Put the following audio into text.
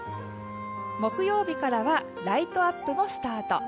木曜日からはライトアップもスタート。